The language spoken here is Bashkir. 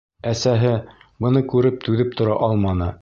Әсәһе, быны күреп, түҙеп тора алманы: